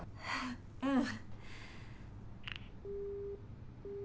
うん。